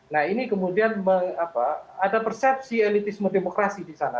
nah ini kemudian ada persepsi elitis mendemokrasi di sana